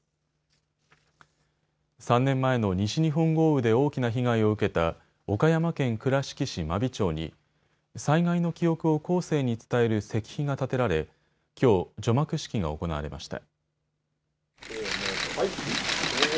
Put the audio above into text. ３年前の西日本豪雨で大きな被害を受けた岡山県倉敷市真備町に災害の記憶を後世に伝える石碑が建てられきょう、除幕式が行われました。